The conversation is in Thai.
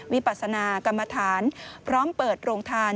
วิปัสนากรรมฐานพร้อมเปิดโรงทาน